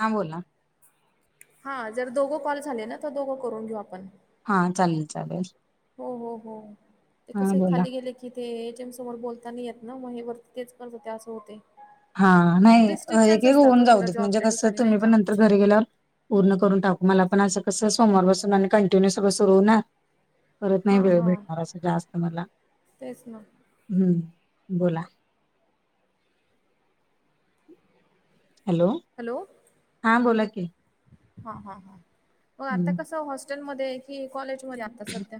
हां बोला. हा जर दोघो कॉल झाले ना तर दोघं करून घेऊ आपण.. हा चालेल चालेल. हो हो हो ते हा कस बोला खाली गेले की. इथे एजेम समोर बोलता नाही येत ना, म हे वरती तेच करत होते असं होतंय. हा नाही, अ एक एक होऊन हो जाऊ थोडं देत, म्हणजे जॉबच्या कस ठिकाणी नाही तुम्ही पण का? नंतर घरी गेल्यावर पूर्ण करून टाकू. मला पण अस कस, सोमवार पासून आणि कंटिन्यू सगळं सुरू होणार परत नाही हां वेळ हां भेटणार असं जास्त मला. तेच ना. हम्म बोला. [inaudible] हॅलो, हा बोला की हा हा हा, म आता हम्म. कसं हॉस्टेलमध्ये कि कॉलेजमध्ये आता सध्या?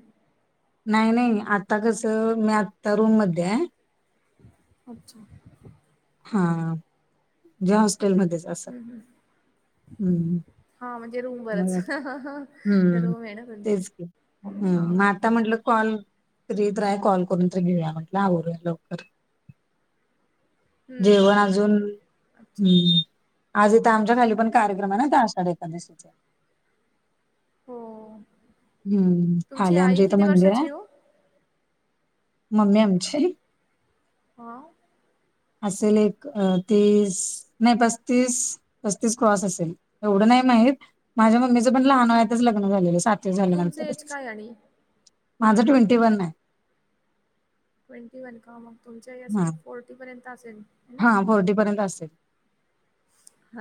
नाही नाही आता कस, मी आता रूम मध्ये आहे. अच्छा. हा जे हॉस्टेलमध्येच हाय. हम् हम्. हम्म. हा म्हणजे रूम मग वरच, रूम आहे ना तुमची. हां हम् मग हां. आता म्हटलं, कॉल त्रीत हाय, कॉल करून तर घेऊया म्हटलं आवरूया लवकर. हं हं जेवण हं अजून हं अच्छा हुं आज इथ आमच्या खाली पण, कार्यक्रम आहे ना, त्या आषाढ एकादशीचा. हो. हम्म तुमची खाली आई आमच्या इथं किती मंदिर हाय. वर्षाची हो? मम्मी आमची हां असेल एक तीस, नाही पस्तीस. पस्तीस क्रॉस असेल एवढं नाही माहीत, माझ्या मम्मीचं पण लहान वयातच लग्न झालेलं सात ते तुमचे एज झाल्यानंतरच, काय आणि? माझं ट्वेंटी वन हाय. ट्वेंटी वन का, मग तुमची आई हा असेल फोर्टीपर्यंत असेल. है ना? हा फोर्टी पर्यंत असेल,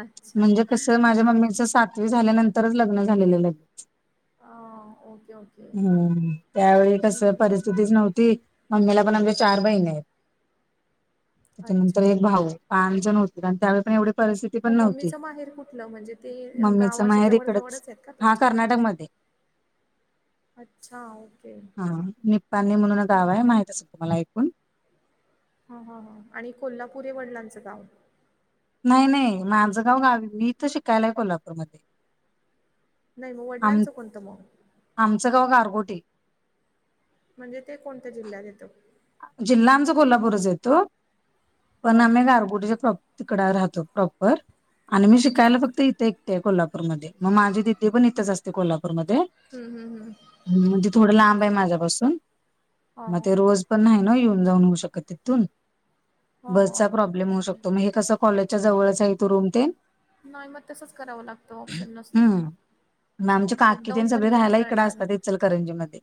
अच्छा. म्हणजे कसं, माझ्या हां. मम्मीच सात वी झाल्यानंतरच लग्न झालेलं हाय लगीच. ह ओके ओ हम्म, त्यावेळी कस हं. परिस्थितीच नव्हती. मम्मीला पण आमच्या चार बहिणी आहेत, त्याच्यानंतर अच्छा. एक भाऊ. पाच जण होतो आम्ही आणि त्यावेळी काय एवढी परिस्थिती पण मग नव्हती, मम्मीचं माहेर कुठलं? म्हणजे ते मम्मीच गावाशी माहेर इकडंच, जवळ-जवळच आहेत का हा तुमचे? कर्नाटक मध्ये. अच्छा, ओके. हा, निपानी म्हणून गाव हाय, माहित असेल तुम्हाला ऐकून. ह ह ह, आणि कोल्हापुर हे वडिलांचं गाव. नाही नाही, माझं गाव गावी मी इथं शिकायलाय कोल्हापूरला. नाही मग, वडिलांचं कोणतं मग? आमचं गाव गारगोटी. म्हणजे ते कोणत्या जिल्ह्यात येतं? जिल्हा आमचा कोल्हापूरच येतो हो. पण आम्ही गारगोटच्या प्रॉप तिकडा राहतो प्रॉपर आणि मी अच्छा. शिकायला फक्त इथे ते कोल्हापूरमध्ये मग माझी दिदी पण इथंच असते कोल्हापूरमध्ये हं, हं, हं. म्हणजे थोडं लांब आहे ओके. माझ्यापासून, हां, मग हां. ते रोज नाही येऊन जाऊऊ शत तिथू, न हां, हां, बसचा हां. प्रॉब्लेम होऊ ओके. शकतो क कॉलेजच्या जवळच आहे इथं रूम ते नाही मग तसंच करावं लागतं ऑप्शन नसताना. नाही आमची काकी तेन सगळे राहायला इकडे असतात, इचलकरंजी मध्ये.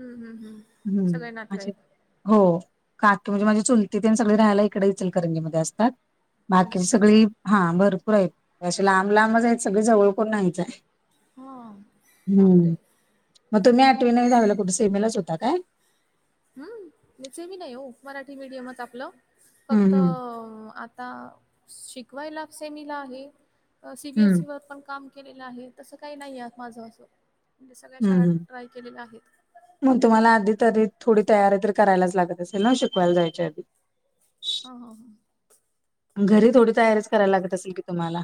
हम्म हम्म हम्म, सगळे अच्छा नातेवाईक हो, काकु म्हणजे माझी अच्छा, चुलती तेनसगळे राहायला इकडे इचलकरंजीमध्ये असतात. बाकीची अच्छा. सगळी, हा भरपूर हायत. अशे लांब लांबच हाईत सगळे जवळ कोन नाहीयचंय. हा बापरे! मग तुम्ही आठवी नवी दाव्ही ला कुठ सेमीलाच होता काय? हम्च मी नाही हो मराठी मीडियमंच आपलं हम्म फक्त हम्म आता शिकवायला सेमीला आहे. हम्म सीबीएसईवर पण काम केलेलं आहे तसं काही नाही आ माझं असं. म सगळे्या हम्म शाळेत हम्म ट्राय केलेल्या आहे. मग तुम्हाला आधी तरी थोडी तयारी तर करायलाच लागत असेल ना शिकवायला जायच्या आधी. हो हो हो घरी थोडी तयारीच करायला लागत असेल की तुम्हाला?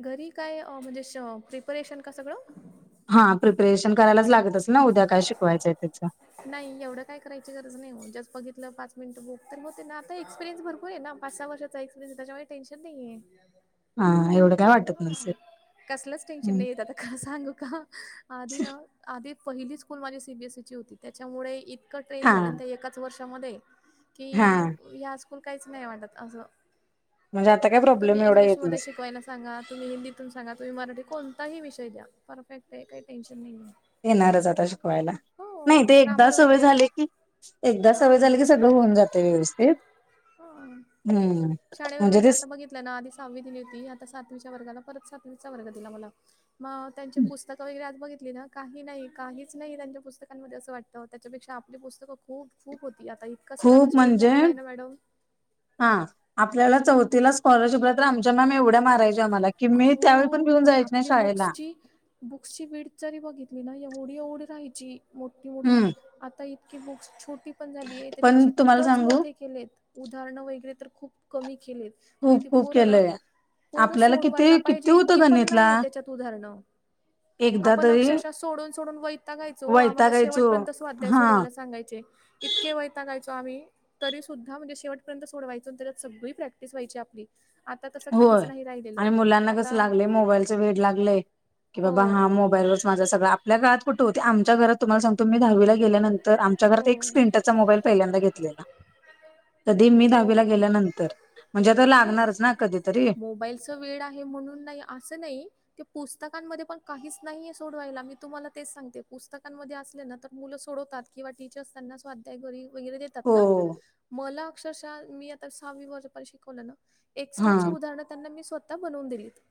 घरी काय म्हणजे प्रिपरेशन का सगळं? हा प्रिपेरेशन करायलाच लागत अस ना उद्या काय शिकवायचंय त्याच. नाही एवढं काय करायची गरज नाही, जस् बघितलं पाच मिनट बुक तर मग त्यांना आता एक्सपिरियन्स भरपूर आहे ना पाच सहा वर्षात रयस त्याच्यामुळे टेन्शन नाहीये. हा एवढ काय वाट कसलंच टेनशन नाही येत आता का सांगू का आधी ना, आधी पहिली स्कूल माझी सी बी एसईची होती त्याच्यामुळे इतकं ट्रेन हा झालं आणि त्या एककाच पाच वर्षामध्ये हा कि ह्या स्कूल काहीच नाही वाटत असं म्हणजे आता काय मग तुम्ही प्रॉब्लेम एवढा येत इंग्लिशमध्ये नसेल शिकवाय नस सांगा तुम्ही हिंदीतून सांगा तुम्ही मराठी कोणताही विषय द्या परफेक्ट आहे काही टेनशन नाही आहे. येणारच आता शिकवायला, नाही हो ते एकदा ग्रामर सवय वगैरे आता झाले की एकदा सवय हां झाली की सगळं होऊन जातय व्यवस्थित. हां हम्म, म्हणजे ते आप आधी सहावी दिली होती आता सातवीच्या वर्गाला परत सातवीचा वर्ग दिला मला. मग त्यांची पुस्तकं वगैरे आज बघितली ना काही नाही काहीच नाही त्यांच्या पुस्तकांमध्ये असं वाटत तर त्याच्यापेक्षा आपली पुस्तकं खूप खूप होती आता इतका खूप सिलेबस चेंज म्हणजे झालेला आहे ना मॅडम, हा आपल्याला चौथीला स्कॉलरशिपला तर आमच्या मॅम एवढ्या मार् आम्हाला की मी त्यावेळी पण खूप घेऊन जायच नाही आपली शाळेला. बुक्सची बुक्सची वीड जरी बघितली ना एवढी एवढी राहायची मोठी मोठी हम्म आता इ की बुक्स छोटी पण झाली आहे त्याचे पण तुम्हाला चित्रच सांगू मोठे केलेत, उदाहरणं वगैरे तर खूप कमी केलेत. मग खूप ती खूप पोरं ना केलंय. पोरं आपल्याला सोडवायला किती किती पाहिजे होतं इतकी पण गणितला नाहीये त्याच्यात उदाहरणं. एकदा आपण तरी अक्षरशः सोडून सोडून वैताकायचो ओ आम्हाला वैतागायचो शेवटपर्यंत स्वाध्याय हा सोडवायला सांगायचे, इतके वैताकायचो आम्ही तरी सुद्धा म्हणजे शेवटपर्यंत सोडवायचत सगळी प्रॅक्टिस व्हायची आपली. आता कस होय आणि मुलांना कस लागलंय मोबाईलचा वेड लागलय. की हो बाबा हा मोबाईलवरच माझं सगं आपल्या काळात कुंठ होते. आमच्या घराततुम्हाला सांगतो. मी दहावी गेल्यानंतर तर आमच्या हो घरात एक स्क्रीन टचचा मोबाईल पहिल्यांदा घेतलेला. कधी मी हो दाहावीला गेल्यानंतर. म्हणजे आता लागणारच ना. कधी तरी. मोबाईलच वेड आहे म्हणून नाही. असं नाही. ते पुस्तकांमध्ये पण काहीच नाहीये सोडवायला. मी तुम्हाला तेच सांगते. पुस्तकांमध्ये असले ना तर मुलं सोडवतात. किंवा टीचरस त्यांना स्वाध्याय घरी वगैरे देतात हो ना. मला अक्षरशः मी आता सहावी वर्षाप शिकवलं ना. हा एक्स्ट्राची उदाहरण त्यांना मी स्वत. ता बनवून दिलीत.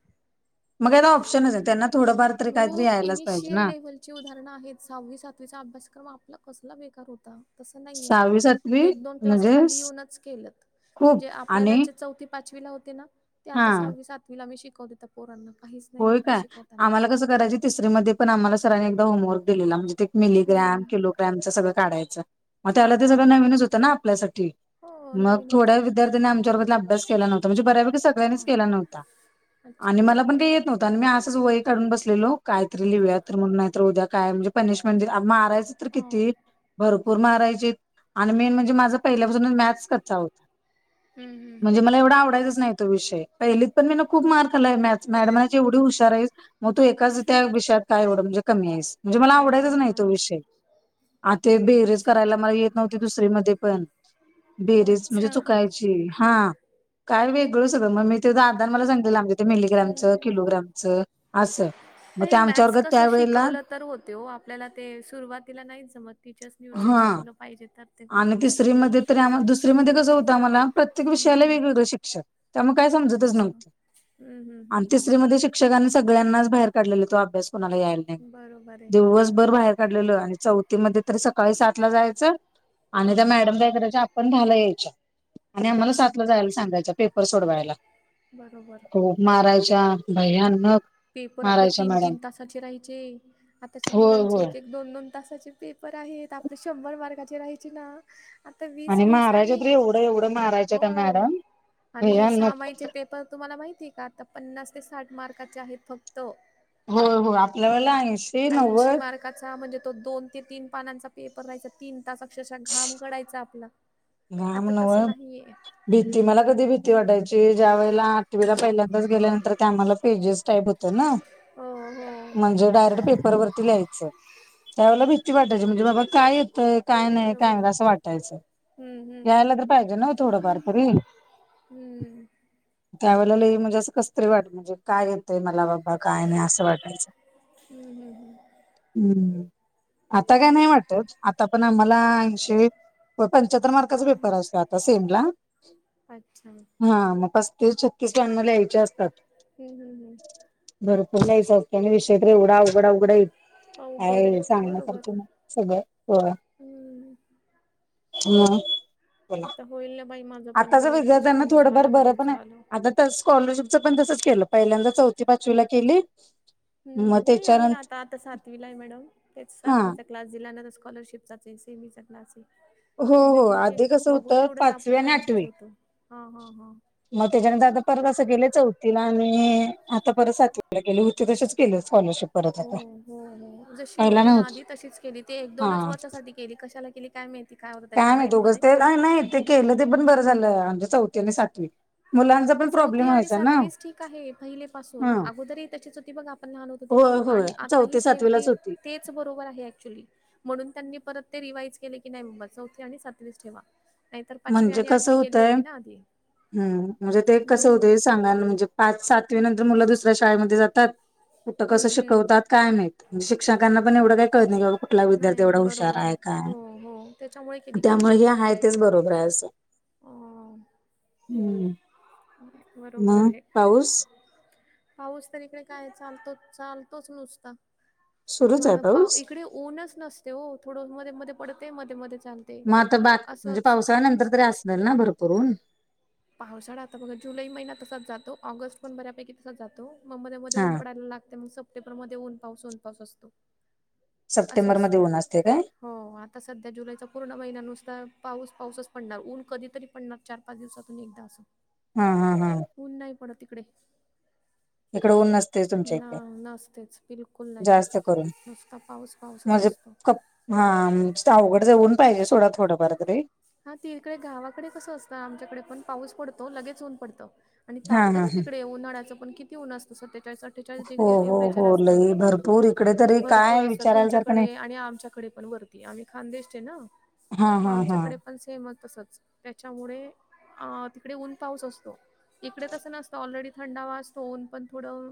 मग याला ऑप्शनचे. त्यांना थोडंफार तरी काहीतरी खूप यायलाच पाहिजे इनिशिल ना लेवल उदाहर आहेत. सहावी सातवीचा अभ्यासक्रम आपला कसला बेकार होता. तस नाहीयेत आता. सहावी सातवी एक दोन क्लास म्हणजे खाली येऊनच केलत. खूप म्हणजे आपल्याला आणि जे चौथी पाचवीला होते ना. ते आता हा सहावी सातवीला मी शिकव ते त्या पोरांना. काहीच नाही होय वाटत काय? शिकवताना. आम्हाला कसं करायंचे. तिसरीमध्ये पण आम्हाला सरांनी एकदा होमवर्क दिलेला. म्हणजे ते हं. मिलीग्रॅम किलोग्रॅमच सगळं काढायचं. मग त्याला हां, ते हां. सगळं नवीनच होतं ना आपल्यासाठी. हो, मग नवीन होतं. थोड्या विद्यार्थ्यांनी आमच्या वर्गातल्या अभ्यास केला नव्हता. म्हणजे बऱ्यापैकी सगळ्यांणीच हां. केला नव्हता. अच्छा. आणि मला पण काही नवता. आणि मी असंच वही काढून बसलेलो. काहीतरी लिवूया तर म्हणून नाही तर उद्या काय म्हणजे पनिशमेंट देईल. मारायच तर किती. हां. भर भरपूर मारायचे त. मेन म्हणजे माझे पहिल्यापासून मॉत स कच्चा होता. हं, हं, हं. म्हणजे मला एवढा आवडायचाच नाही तो विषय. पहिलीत पण मी ना खूप मार खाल्लाय म मॅडम जेवढी हुशार आहेस. मग तू एकाच त्या विषयात काय एवढं म्हणजे कमी आहेस. म्हणजे मला आवडाचाच नाही तो हां. विषय. आता बेहरेज अच्छा. करायला मला येत नव्हती दुसरी मध्ये पण. बेहरीज म्हणजे अच्छा. चुकाय ची. हा, काय वेगळं सगळं मग मी तें दादान मला सांगित आमच्या ते मेलीग्रामच. हं. ग्रामच असं. मग नाही ते आमच्या मॅथस वर्गात कसं त्यावेेळेला शिकवलं तर होते हो. आपल्याला ते सुरुवातीला नाही जमत. टीचर्स व्यवस्ित हा शिकवलं पाहिजे तर ते होते आणि नाही नाही तिसरीमध्ये होत तर आम्हा दुसरीमध्ये कसं होतं आम्हाला प्रत्येक हम्म विषयाला हम्म वेगवेगळं शिक्षक. त्यामुळे काय समजतच अच्छा नव्हती. हम्म हम्म हम्म आणि हम्म तिसरी मधे हम्म शिक शिक्षकांनी सगळ्यांनाच बाहेर काढलेल. तो अभ्यास कोणाला यायला नाही म्हणून. बरोबर आहे दिवसभर बाहेर काढलेल. चौथीमध्ये तर सकाळी सात ला जायचं. आणि हां त्या हां हां मॅडमदा काय करायच्या आपण दहाला यायच्या. आणि हां आम्हाला हां सातला हां जायला सांगायच्या. पेपर रसोडवायला. बरोबर खूप मारायच्या. भैयानक. पेपर आपले तीन तीन तासाचे राहायचे. आताच्या होय मुलांचे होय एक दोन दोन तासाचे पेपर आहेत. आपले शंभर मार्काचे राहायचे ना. आता वीस आणि वीस. मारायच्या आणि तर एवढं एवढं मारायच्या हो. त्या मॅडम आणि भयानक समाईचे पेपर तुम्हाला माहितीय का? आता पन्नास ते साठ मार्काचे आहेत फक्त. होय होय. आपल्या वेळेला ऐंशी ऐंशी नव्वद मार्क म्हणजे तो दोन ते तीन पानांचा पेपर राहायचा. तीन तास अक्षरशः घाम गळायचा आपला. आता तसं नाहीये [inaudible] भीती! मला कधी भीती वाटायची? ज्या वेळेला आठवीला पहिल्यांदाच गेल्यानंतर ते आम्हाला पेजेस टाईप होतं ना. हो हो म्हणजे डायरेक्ट पेपरवरती लिहायचं. त्यावेळेला भीती वाटायची म्हणजे बाबा काय येतंय काय नाही काय बरोबर नाही असं वाटायचं. हम्म यायला हम्म तर पाहिजे ना थोडंफार तरी. हम्म हम्म त्यावेळेला लई म्हणजे असं कसतरी वाट म्हणजे काय येतय मला बाबा काय नाही असं वाटायचं. हम् हम् हम्. हम्म आता काय ते नाही वाटत. आता पण आम्हाला ऐंशी प पन्.. रा हा मार्कचा पेपर असतो आता सेम ला. अच्छा हम्म हा मग पस्तीस छत्तीस त्यांना लिहायचे असतात. हम्म हम्म भरपूर लिहायचं असतं अन् विषय तर एवढं अवघडं अवघडए, अवघड आहे काय बरोबर सांगण्यासारखं नाही. सगळं, हो हम्म मऽऽ आता होईल ना बाई माझऽ आत्ताच्या विद्यार्थ्यांना थोडंफार बरं पण आहे, आताऽ त्या स्कॉलरशिपच पण तसच केलं, पहिल्यांदा चौथी पाचवीला केली. मग हम् नाही आहे ना त्याच्यानंतर आता आता सातवीला आहे मॅडम तेच हा सातवीचा. क्लास दिल्याना तर स्कॉलरशिपचाच ए सेमीचा क्लास ए.. हो म्हणलं हो ठीक ए आधी कसं बघू होतं तेवढंच आपला पाचवी पण आणि अभ्यास आठवी होतो. हा हा हा. मग त्याच्यानंतर आता परत असं केलंय चौथीला आणिऽ आता परत सातवीला केलीये, होती तशीच केलीय स्कॉलरशिप. परत हो आता हो हो, जशी पहिला होती ना नव्हती आधी, तशीच केली, ते एक हा दोनच वर्षासाठी केली, कशाला केली काय माहित. काय माहीत उगच, ते नाही आणि ते केलं ते पण बरं झालं, म्हणजे चौथी आणि सातवी. मुलांचा पण प्रॉब्लेम चौथी आणि व्हायचा ना सातवीच ठीक आहे पहिलेपासून, ह अगोदरही त्याचीच होती बघा आपऽ पण लहान होतो तेव्हा, होय होय आणि आता ही चौथी सेम ते, सातवीलाच होती तेच बरोबर आहे ऍक्च्युली. म्हणून त्यांनी परत ते रिवाईज केले की, नाहीं बाबा चौथी आणि सातवीच ठेवा. नाहीतर पाचवी आणि आठवी केली होती ना आधी. हम, म्हणजे ते कसं हम्म होतय सांगायला म्हणजे, पाच सातवी नंतर मुलं दुसऱ्या शाळेमध्ये जातऽ तात, कुठं कसं हम्म शिकवतात हम्म काय माहीत? शिक्षकांना पण एवढं काही कळत नाही, की बाबा कुठला विद्यार्थ नाही एवढा हुशार बरोबर आहे, काय, हो हो त्याच्यामुळे केली का. त्यामुळे हे आहे तेच बरोबर आहे, असंऽ अऽऽ बरोबर मग आहे. पाऊस पाऊस तर इकडे काय चालतो, चालतोच नुसता. सुरूच आहे हं हा, पाऊस इकडे ऊनच नसते ओ,, थोडं मध्ये मध्ये पडते, मध्ये मध्ये चालते. [unintelligible] म्हणजे असंच पावसाळ्यानंतर तरी असणार ना भरपूर ऊन पावसाळा आता बघा, जुलै महिना तसाच जातो, ऑगस्ट पण बऱ्यापैकी तसाच जातो. मग मध्ये मध्ये हा ऊन पडायला लागते, मग सप्टेंबर मध्ये ऊन पाऊस, ऊन पाऊस असतो. असं सप्टेंबरमध्ये असते ऊन असतंय काय? हो, आता सध्या जुलैचा पूर्ण महिना, नुसता पाऊस पाऊसच पडणार, ऊन कधी तरी पडणार चार पाच दिवसातऽ तून एकदा आसं. हां हां हां. ऊन नाही पडत इकडे. इकडे ऊन नसते तुमच्या ना इकडे नासतेच, बिलकुल नाही, जास्त करून नुसता पाऊस पाऊसच म्हणजे असतो. कप हा अवघड [unintelligible] पाहिजे सोडा थोडंफार तर रे हा, ते इकडे गावाकडे कसं असतं. आमच्याकडे पण, पाऊस पडतो. लगेच ऊन पडतं. आणि हा तापतं हा ना तिकडे. उन्हाळचं पन किती ऊन असतं. सतेचाळीस- अठ्ठेचाळीस हो डिग्री हो टेम्पेचर हो लई, भरपूर इकडे तरी भरपूर काय असत. विचारायला सारखं नाही तुमच्याकडे आणि आमच्याकडे पण, वरती. आम्ही खानदेशचे ना. हा, हा, हा. अन सेमच तसंच. त्याच्यामुळे आ तिकडे ऊन- पाऊस असतो. इकडे तसं नसतं. ऑलरेडी थंडावा असतो. ऊन पण थोडं